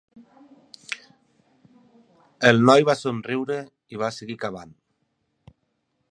El noi va somriure i va seguir cavant.